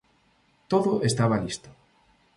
Todo estaba listo.